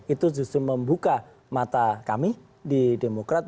itu justru membuka mata kami di demokrat